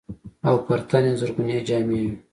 او پر تن يې زرغونې جامې وې.